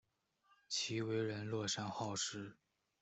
其为人乐善好施。